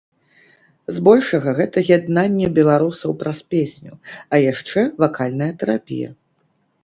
Збольшага гэта яднанне беларусаў праз песню, а яшчэ вакальная тэрапія.